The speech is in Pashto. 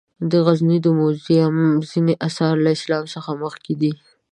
د غزني د موزیم ځینې آثار له اسلام څخه مخکې دي.